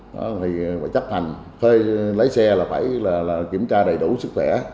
thì phải chấp hành lấy xe là phải kiểm tra đầy đủ sức khỏe